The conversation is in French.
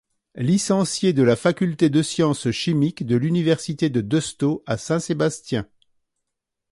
Licencié de la Faculté de sciences chimiques de l'université de Deusto à Saint-Sébastien.